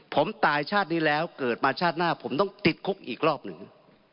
ผมตายชาตินี้แล้วเกิดมาชาติหน้าผมต้องติดคุกอีกรอบหนึ่ง